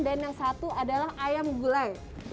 dan yang satu adalah ayam gulai rendang